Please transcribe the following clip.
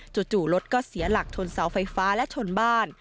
จู่รถก็เสียหลักชนเสาไฟฟ้าและชนบ้าน